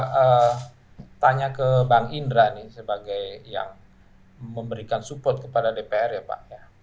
saya tanya ke bang indra nih sebagai yang memberikan support kepada dpr ya pak